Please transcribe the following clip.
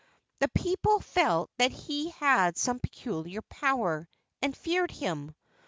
The people felt that he had some peculiar power, and feared him.